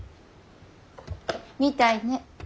みたいね。